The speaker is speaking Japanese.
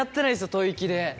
吐息で。